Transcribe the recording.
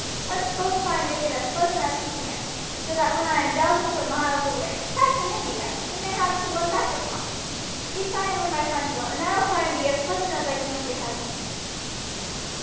Let us both try and make it as pleasant as we can, so that when I am thousands of miles away, perhaps in India, we may have it to look back upon. You try and leave my friends alone and I will try and be as pleasant as I can with your husband."